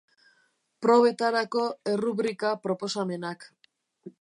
Probetarako errubrika-proposamenak.